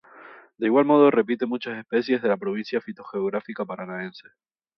De igual modo, repite muchas especies de la Provincia fitogeográfica Paranaense.